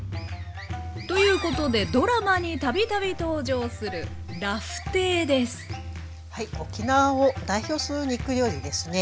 ということでドラマに度々登場する沖縄を代表する肉料理ですね。